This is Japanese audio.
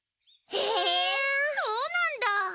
へえそうなんだ。